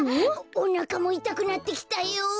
おなかもいたくなってきたよ。